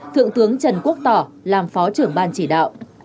thượng tướng trần quốc tỏ làm phó trưởng ban chỉ đạo